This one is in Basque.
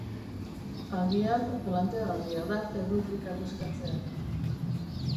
Agian planteagarria da errubrikak eskatzea.